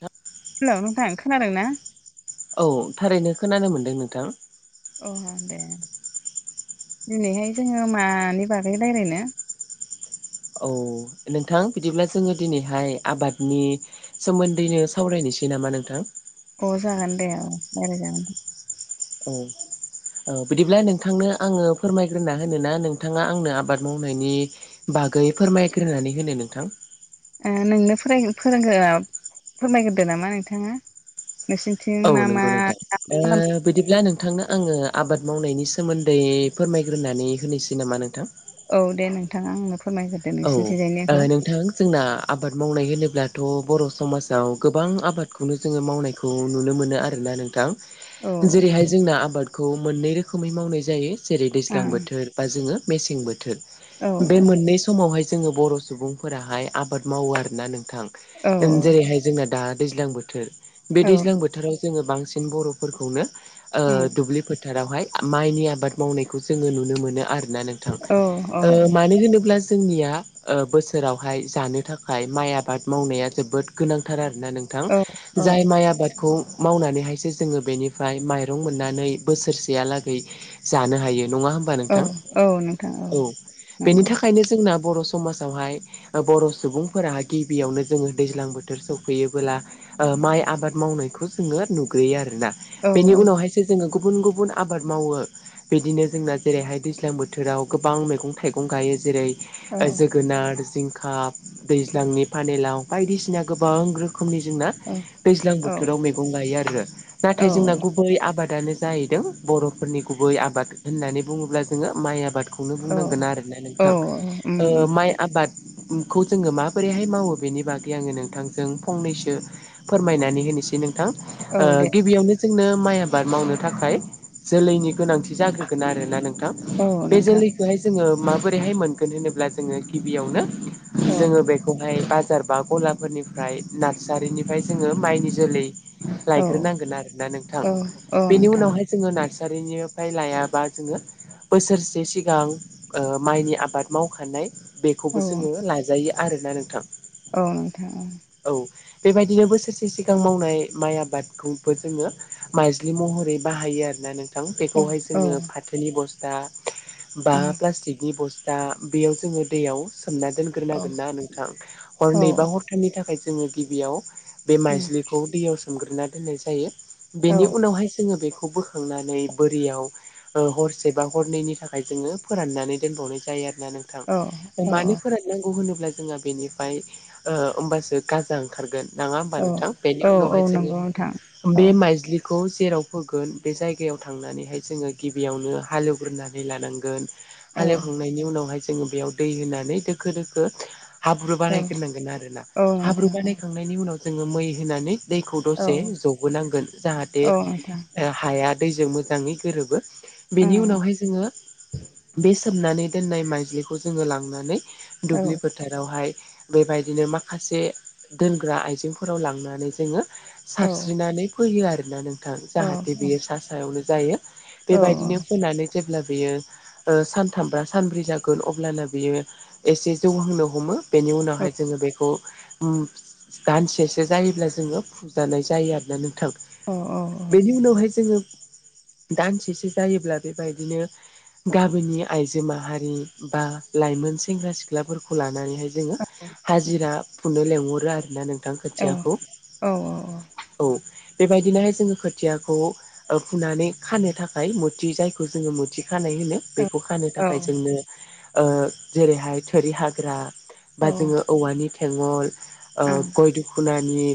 द [unintelligible] हेलौ नोंथां खोनादों ना? औ थारैनो खोनानो मोनदों नोंथां। अ दे दिनैहाय जोङो मानि बागै रायज्लायनो? औ नोंथां बिदिब्ला जोङो दिनैहाय आबादनि सोमोन्दैनो सावरायनोसै नामा नोंथां। अ जागोन दे औ रायलाय जागोन दे। औ औ बिदिब्ला नोंथांनो आङो फोरमायग्रोना होनोना नोंथाङा आंनो आबाद मावनायनि बागै फोरमायग्रोनानै होनो नोंथां। ओ नोंनो फोराय-फोरोंग्रो- फोरमायग्रोदो नामा नोंथाङा। औ नोंसिनिथिं मा मा नंगौ नोंथां आबाद ओ खालामो। बिदिब्ला नोंथांनो आङो आबाद मावनायनि सोमोन्दै फोरमायग्रोनानै होनोसै नामा नोंथां। औ दे नोंथाङा आंनो फोरमायग्रदो औ ओ नोंसिनिथिजायनिखौ नोंथां जोंना आबाद मावनाय होनोब्लाथ' बर' समाजाव गोबां आबादखौनो जोङो मावनायखौ खौ नुनो मोनो आरोना नोंथां। औ जेरैहाय जोंना आबादखौ मोननै रोखोमै मावनाय जायो जेरै दैज्लां औ बोथोर बा जोङो मेसें बोथोर औ बे मोननै समावहाय जोङो बर' सुबुंफोराहाय आबाद मावो आरोना नोंथां। औ ओ जेरैहाय जोंना दा दैज्लां बोथोर बे औ दैज्लां बोथोराव जोङो बांसिन बर'फोरखौनो ओ दुब्लि फोथार रावहाय माइनि आबाद मावनायखौ जोङो नुनो मोनो आरोना नों थां औ ओ मानो होनोब्ला जोंनिया ओ बोसोरावहाय जानो थाखाय माइ आबाद मावनाया जोबोद गोनांथार आरोना नों थां औ जाय माइ आबादखौ मावनानैहायसो जोङो बेनिफ्राय माइरं मोननानै बोसोरसेहालागै जानो हायो नङा होमबा औ नोंथां औ नोंथां औ औबेनि नंगौ थाखायनो जोंना बर' समाजावहाय ओ बर' सुबुंफोरा गिबियावनो जोङो दैज्लां बोथोर सौफैयोबोला ओ माइ आबाद मावनायखौ जोङो नुग्रयो आरोना औ बेनि उनावहाय सो जोङो गुबुन गुबुन आबाद मावो। बिदिनो जोंना जेरैहाय दैज्लां बोथोराव गोबां मैगं थाइगं गायो जेरै औ ओ जोगोनार, जिंखा दैज्लांनि पानिलाव बायदिसिना गोबां रोखोमनि जोंना दैज्लां औ बोथोराव मैगं गायो आरो। नाथाय औ जोंना गुबै आबादानो जाहैदों बर'फोरनि गुबै आबाद होननानै बुङोब्ला जोङो माइ आबाद खौनो औ बुंनांगोन आरोना नोंथां औ ओ माइ आबाद खौ जोङो माबोरैहाय मावो बेनि बागै आङो नोंथांजों फंनैसो फोरमायनानै होनोसै नोंथां ओ औ दे गिबियावनो जोंनो माइ आबाद मावनो थाखाय जोलैनि गोनांथि जाग्रोगोन आरोना नों थां औ बे नोंथां जोलैखौहाय जोङो माबोरैहाय मोनगोन होनोब्ला जोङो गिबियावनो औ जोङो बेखौहाय बाजार बा गलाफोरनिफ्राय नार्सारिनिफ्राय जोङो माइनि जोलै औ लायग्रोनांगोन आरोना नोंथां औ औ बेनि नोंथां उनावहाय जोङो नार्सारिनिफ्राय लायाबा जोङो बोसोरसे सिगां ओ माइनि आबाद मावखानाय औ बेखौबो जोङो लाजायो आरोना नोंथां औ नोंथां औ औ बेबायदिनो बोसोरसे सिगां मावनाय माइ आबादखौबो जोङो माइज्लि महरै बाहायो आरोना नों थां औ बेखौहाय औ जोङो फाथोनि बस्था बा औ प्लास्टिकनि बस दा बेयाव जोङो दैयाव सोमना औ दोनग्रोनांगोन ना नोंथां औ हरनै बा हर नि थाखाय जोङो गिबियाव बे माइज्लिखौ दैयाव सोमग्रोना दोननाय जायो। बेनि उनावहाय जोङो बेखौबो थांनानै बोरियाव हरसे बा हरनैनि थाखाय जोङो फोराननानै दोनबावनाय जायो। जायो आरोना नोंथां औ अमानिफोरा नांगौ होनोब्ला जोंहा बेनिफ्राय ओ होमबासो गाजा ओंखारगोन। नाङा होमबा नोंथां बेनि औ उनावहाय औ जोङो नंगौ नोंथां औ बे माइज्लि खौ जेराव फोगोन बे जायगायाव थांनानैहाय जोङो गिबियावनो हालेवग्रोनानै लानांगोन औ हालेवखांनायनि उनावहाय जोङो बेयाव दै होनानै दोखो दोखो हाब्रु औ बानायग्रोनांगोन आरोना औ हाब्रु नोंथां बानायखांनायनि उनाव जोङो मै होनानै दैखौ औ नोंथां औ दसे जबोनांगोन जाहाथे ओं ओं औ औ हाया दैजों मोजाङै गोरोबो बेनि उनावहाय जोङो बे सोमनानै दोननाय माइज्लिखौ जोङो लांनानै दुब्लिफोर फोथारावहाय बेबायदिनो माखासे दोनग्रा आइजेंफोराव लांनानै जोङो सारस्रिनानै फैयो आरोना नोंथां जाहाथे बेयो सा सायावनो जायो। बेबायदिनो फोनानै जेब्ला बेयो ओ सान थामब्रा सानब्रै जागोन अब्लानो बियो एसे जौहांनो हमो बेनि उनावहाय जोङो बेखौ उम दानसेसो जायोब्ला जोङो फुजानाय जायो आरोना नोंथां। अ अ अ बेनि उनावहाय जोङो दानसेसो जायोब्ला बेबायदिनो गाबोननिया आइजो माहारि बा लाइमोन सेंग्रा सिख्लाफोरखौ लानानैहाय जोङो हाजिरा फुनो लेंहरो आरो ना नोंथां औ खोथियाखौ औ बेबायदिनो हाय जोङो खोथियाखौ ओ फुनानै खानो थाखाय मुथि जायखौ जोङो मुथि खानाय होनो बेखौ खानो थाखाय जोंनो ओ जेरैहाय थोरि हाग्रा बा जोङो औवानि थेङल ओ गय दुखनानि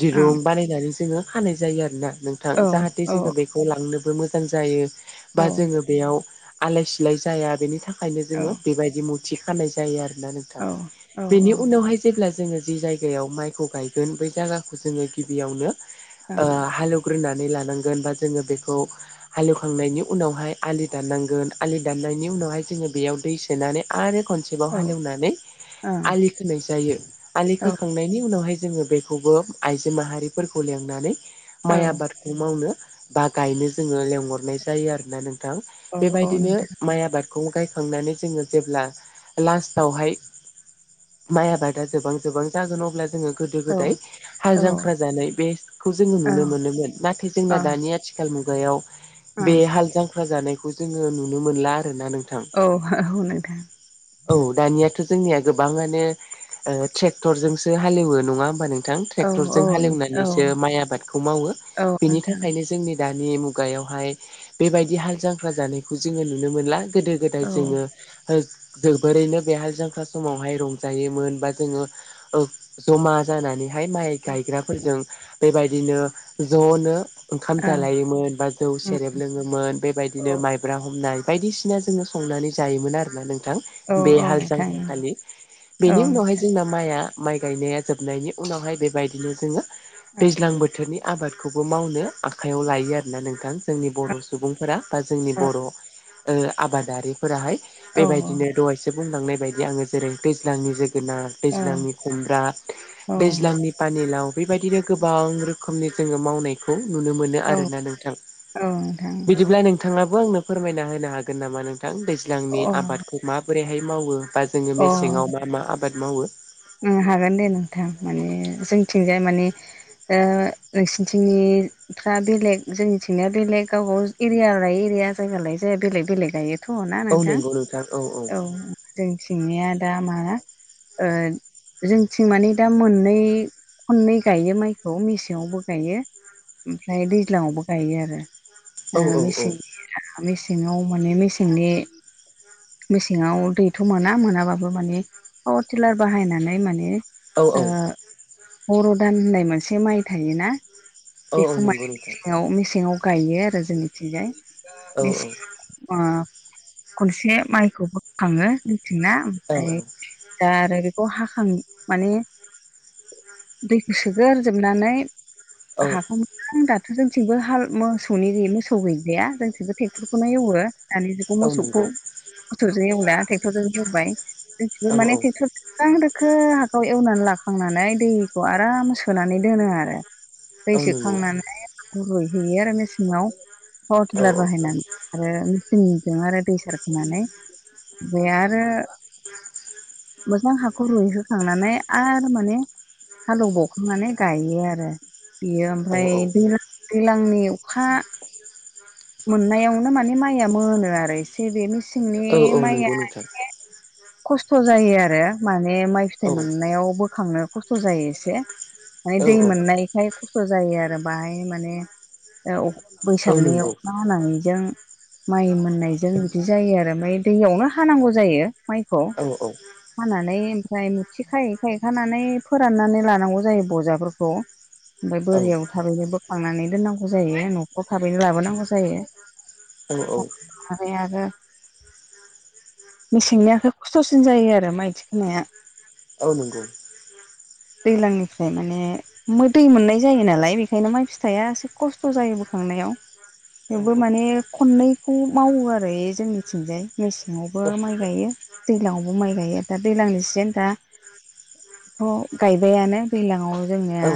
दिरुं बानायनानै जोङो खानाय जायो आरोना नोंथां जाहाथे जोङो बेखौ लांनोबो मोजां जायो बा जोङो बेयाव आलाय सिलाय जाया बेनि थाखायनो जोङो बेबायदि मुथि खानाय जायो आरोना नोंथां। औ बेनि उनावहाय जेब्ला जोङो जि जायगायाव माइखौ गायगोन बै जायगाखौ जोङो गिबियावनो औ औ ओ हालेव हुग्रोनानै लानांगोन बा जोङो बेखौ हालेवखांनायनि उनावहाय आलि दाननांगोन आलि दाननायनि उनावहाय जोङो बेयाव दै सोनानै आरो औ खनसेबाव हालेवनानै ओं आलि नाय जायो आलि औ खोखांनायनि उनावहाय जोङो बेखौ खौबो आइजो माहारिफोरखौ लेंनानै औ माइ आबाद खौ मावनो बा गायनो जोङो लेंहरनाय जायो आरोना नोंथां औ औ बेबायदिनो नोंथां माइ आबादखौ गायखांनानै जोङो जेब्ला लास्टआवहाय माइ आबादा जोबां जोबां जागोन अब्ला जोङो गोदो औ गोदाय औ हाल ओ जांख्रा जानाय बेखौ जोङो नुनो ओं मोनोमोन नाथाय जोंना दानि आथि आथिखाल मुगायाव बे हाल जांख्रा जानायखौ जोङो नुनो मोनला आरोना नों औ औ नोंथां औ दानियाथ' जोंनिया गोबाङानो ट्रेक्टरजोंसो हालेवो नङा होमबा नों औ औ नोंथां औ ट्रेक्टरजों ओं उम औ हालेवनानैसो माइ आबादखौ मावो औ बेनि थाखायनो जोंनि दानि मुगायावहाय बेबायदि हाल जांख्रा जानायखौ जोङो नुनो मोनला गोदो गोदाय जोबोरैनो बेहाल जांख्रोरा समावहाय रंजायोमोन बा जोङो जमा जानानैहाय माइ गायग्राफोरजों बेबायदिनो ज'नो ओंखाम जालायोमोन बा जौ सेरेब लोङोमोन बेबायदिनो माइ खग्रा हमनाय बायदिसिना जोङो संनानै जायोमोन आरोना नोंथां बे नोंथां हालजांखोरा नंगौ खालि औ बेनिउनावहाय माइआ माइ गायनाया जोबनायनि उनावहाय बेबायदिनो जोङो औ दैज्लां बोथोर बोथोरनि आबादखौबो मावनो आखाइयाव लायो आरोना नोंथां जोंनि बर' सुबुंफोरा बा जोंनि बर' आबादारिफोराहाय औ बेबायदिनो दहाय बुंलांनाय बायदि आङो जेरै दैज्लांनि जोगोनार औ दैज्लांनि खमब्रा दैज्लांनि पानिलाव बेबायदिनो गोबां रोखोमनि जोङो मावनाय खौ नुनो मोनो औ आरोना नोंथां औ नोंथां बिदिब्ला नोंथाङा बेखौ आंनो फोरमायना होनो हागोन नामा नोंथां अ दैज्लांनि आबादखौ माबोरैहाय मावो बा जोङो मेसेङाव मा मा आबाद मावो हागोन दे नोंथां माने जोंथिंजाय माने नोंसोनथिंनि फ्रा बेलेग जोंनिथिंनाया बेलेग गावबावगाव एरिया लायै एरिया जायगा लायै जायगा बेलेग बेलेग गायो थ'ना नोंथां औ जों थेंनिया दा मा जोंथिं मानिे दा मोननै खननै गायो माइखौ मेसेङावबो गायो ओमफ्राय दैज्लाङावबो गायो आरो औ औ मेसें मेसेङाव माने मेसेंनि मेसेंआव दैथ' मोना मोनाबाबो माने पावार टिलार बाहायनानै माने औ बर' दान होननाय मोनसे माइ थायोना औ औ बेखौ नंगौ माने नोंथां मेसेंआव मेसेङाव गायो आरो जोंनिथिंजाय औ मेसें खनसे माइखौ बोखाङो मिथिंना औ ओमफ्राय द आरो बेखौ हा खां माने दैखौ सोगोरजोबनानै औ हखौ आं दाथ' जोंथिंबो हाल मोसौनि मोसौ गैलिया जोंथिंबो ट्रेक्टरखौनो एवो दानि जुखौ औ मोसौखौ नंगौ मोसौजों एवला ट्रेक्टरजों एवबाय औ औ माने ट्रेक्टर गोखां दोखो हाखौ एवनानै लाखांनानै दैखौ आराम सोनानै दोनो आरो दै औ नंगौ सोखांनानै रुइहैयो आरो मेसेंआव पावार औ टिलार बाहायनानै आरो मिेचनजों आरो दै सारखोनानै बेओ आरो मोजां हा खुरै होखांनानै आरो माने हालेवबावखांनानै गायो आरो बेयो औ ओमफ्राय औ दै दैज्लांनि अखा मोननायावनो माने माइया मोनो आरो एसे बे औ मेसेंनि औ माइया नंगौ नोंथां एसे खस्थ' जायो आरो माने माइ फिथाइ औ मोननायाव बोखांनो। खस्थ' जायो एसे माने औ दै मोननाय। [unintelligible] खस्थ' जायो आरो बाहाय माने [unintelligible] औ बैसागनियाव नंगौ हानायजों माइ मोननायजों बिदि जायो आरो ओमफ्राय दैयावनो हानांगौ जायो। माइखौ। औ औ खानानै ओमफ्राय मुथि खायै खायै खानानै फोराननानै लानांगौ जायो बजाफोरखौ ओमफ्राय औ बोरियाव थाबैनो बोखांनानै दोननांगौ जायो न'फ्राव थाबैनो लाबोनांगौ [unintelligible] मेसेंनियाखो खस्थ'सिन जायो आरो माइ थिखोनाया। औ नंगौ। दैलांनिफ्राय माने मो दै मोननाय जायो नालाय बेखायनो माइ फिथाइआ एसे खस्थ' जायो बोखांनायाव थेवबो माने खननैखौ मावो आरो जोंनिथिंजाय। मेसेङावबो माइ गायो। दैलां आवबो माइ गायो दा दैलांनि सिजेन दा थ' गायबायानो दैलाङाव जोंनिया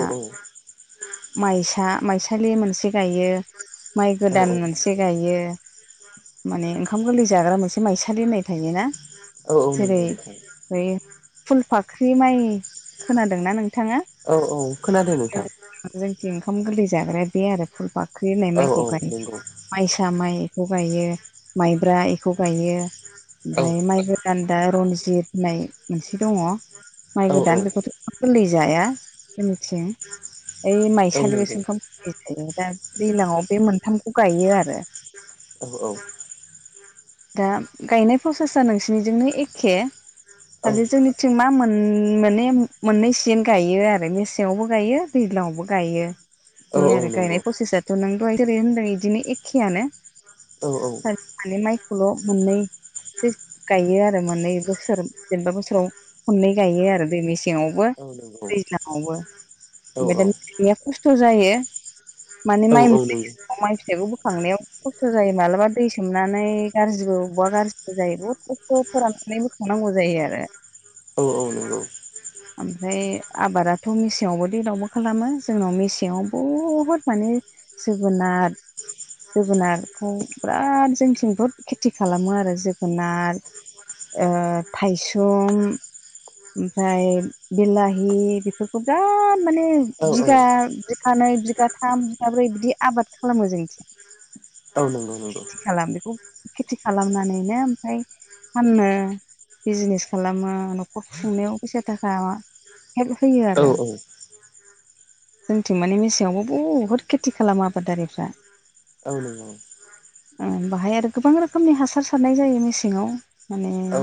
माइसा माइसालि मोनसे गायो माइ गोदान मोनसे गायो। माने ओंखाम गोरलै जाग्रा मोनसे माइसालि होननाय थायोना नंगौ जेरै नोंथां [unintelligible] फुलफाख्रि माइ खोनादोंना नों औ औ खोनादों नोंथां। जोंथिं ओंखाम गोरलै जाग्राया बे आरो फुल फाख्रि होननाय औ माइखौ गायो। नंगौ माइसा माइ बेखौ गायो माइब्रा इखौ गायो औ ओमफ्राय माइ गान्दा रनजित होननाय मोनसे दङ औ माइ गोदान बेखौथ'। गोरलै जाया जोंनिथिं। ओइ औ माइसालि [unintelligible] नंगौ ओंखाम [unintelligible] दैलाङाव बे मोनथामखौ गायो आरो। औ औ। दा गायनाय प्रसेसा नोंसिनिजोंनो एखे औ खालि जोंनि थिं मा मोन मोननै मोननै सिजोन गायो आरो मेसेङावबो गायो। दैलां आवबो गायो औ बे औ आरो नंगौ गायनाय प्रसेसाथ' नों दहाय जेरै होनदों बिदिनो एखेयानो औ औ। खालि माने माइखौल' मोननै सो गायो आरो मोननै बोसोर जेनेबा बोसोराव खननै गायो आरो दै मेसेङावबो औ नंगौ दैज्लाङावबो। औ ओमफ्राय औ नंगौ औ दाया खस्थ' जायो माने माइ औ मोननाय नंगौ सम माइ फिथाइखौ बोखांनायाव। खस्थ' जायो मालाबा दै सोमनानै गाज्रिबो अबावबा गाज्रिबो जायो बहुद खस्थ' फोराननानै [unintelligible] सनांगौ जायो आरो। औ औ नंगौ। ओमफ्राय आबादाथ' मेसेङावबो दैलाङाव बो खालामो जोंनाव मेसेङाव बुहुद माने जोगोनार जोगोनारखौ बिराद जोंथिं बहुद खेथि खालामो आरो जोगोनार। ओ थायसुम। ओमफ्राय बिलाहि बेफोरखौ बिराद माने औ बिगा बिगानैै बिगाथाम बिगाब्रै बिदि आबाद खालामो जोंथिं। औ नंगौ औ नंगौ औ नंगौ [unintelligible] फाननो बिजिनेस खालामो न'खर खुंनायाव फैसा थाखा। हेल्प होयो औ नंगौ औ आरो। जोंथिं माने मेसेङावबो बुहुद खेथि खालामो आबादारिफ्रा। औ। ओ बाहाय आरो गोबां रोखोमनि हासार सारनाय जायो मेसेंआव माने औ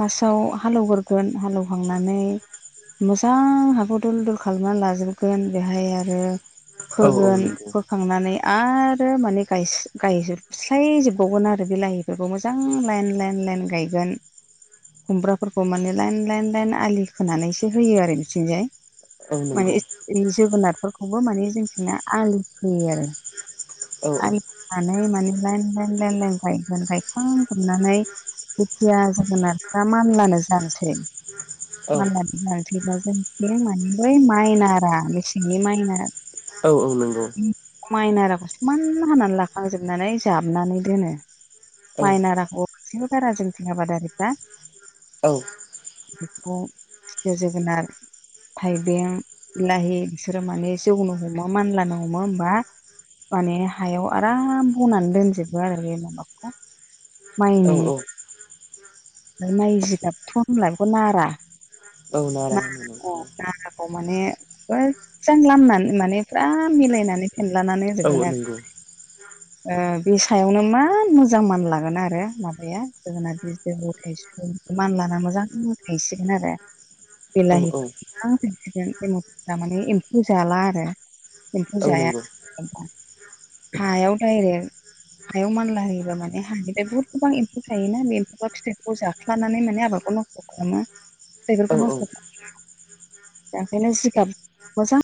फार्स्टआव हालेवग्रोगोन हालेवखांनानै मोजां हाखौ दल दल खालामनानै लाजोबगोन बेहाय आरो फोगोन फोखांनानै आरो माने गायजोबस्लायजोबबावगोन आरो बे लाइ बेफोरखौ मोजां लाइन लाइन लाइन गायगोन। खुमब्राफोरखौ माने लाइन लाइन लाइन आलि खोनानैसो होयो आरो बिथिंजाय। औ नंगौ। बे जोगोनारफोरखौबो माने जोंथिना आलि फोयो आरो। आलिनानै माने लाइन लाइन लाइन लाय लाइन लाइन गायगोन गायखां जुबनानै जेखिया जोगोनारफ्रा मानलानो जानोसै औ। [inaudible] औ औ नंगौ। मायनाराखौ समान हानानै लाखांजोबनानै जाबनानै दोनो। माइन रा हरसिबो बारा जोंथि आबादारिफ्रा बेखौ जोगोनार थाइबें बिलाहि बिसोरो माने जौनो हमो मानलानो हमो होमबा? माने हायाव आराम बनानै दोनजोबो आरो बे मलामाखौ। मायने औ ओमफ्राय मनाय जिगाबथ' होनलाय बेखौ नारा। औ नारा मोनो नाखौ माने मोजां लामनानै माने फुरा मिलायनानै फनलानानै होजोबगोन आरो। उ बे सायावनो मान मोजां मान लागोन आरो माबाया जों बिज थाइसुम मानलाना मोजां थायसिगोन आरो औ बिलाहि औ माने एम्फौ जाला आरो। एम्फौ औ नंगौ जायाबा हायाव डाइरेक्ट हायाव मानला होयोब माने हानिफ्राय बुहुद गोबां एम्ौ थायोोना बे ए्फौा फिथाइ जाख्लानानै माने आबादखौ नस्थ' खालामो औ बेिफोरखौ औ नस्थ' खालामो। दखायनो सिखााब मोजां